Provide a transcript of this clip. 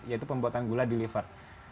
yaitu pembuatan gula di liver